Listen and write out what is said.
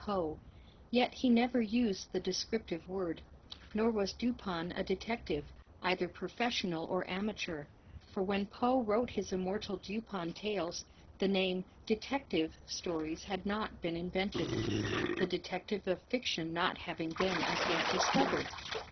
Poe, yet he never used the descriptive word, nor was Dupin a detective, either professional or amateur, for when Poe wrote his immortal Dupin tales, the name "Detective" Stories had not been invented; the detective of fiction not having been as yet discovered.